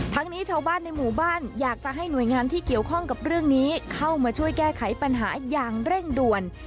นี้ชาวบ้านในหมู่บ้านอยากจะให้หน่วยงานที่เกี่ยวข้องกับเรื่องนี้เข้ามาช่วยแก้ไขปัญหาอย่างเร่งด่วน